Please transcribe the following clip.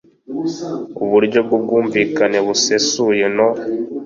Uburyo bw ubwumvikane busesuye no